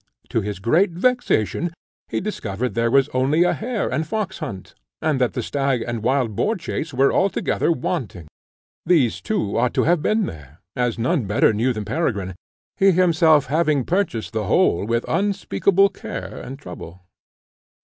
To his great vexation, he discovered that there was only a hare and fox hunt, and that the stag and wild boar chase were altogether wanting. These, too, ought to have been there, as none better knew than Peregrine, he himself having purchased the whole with unspeakable care and trouble.